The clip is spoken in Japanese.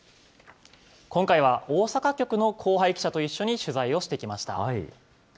今回は大阪局の後輩記者と一緒に取材をしてきました。